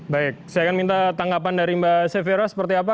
baik saya akan minta tanggapan dari mbak safera seperti apa